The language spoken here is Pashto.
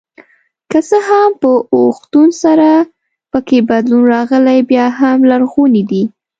که څه هم په اوښتون سره پکې بدلون راغلی بیا هم لرغوني دي.